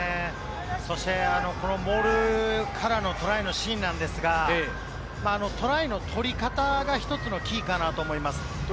そしてこのモールからのトライのシーンなんですが、トライの取り方が１つのキーかなと思います。